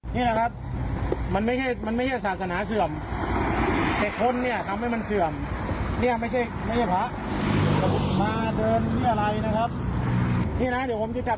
นี่คือวิธีศึกของผมนะครับอย่าไปทำอีกนะครับ